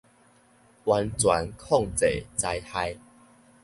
完全控制災害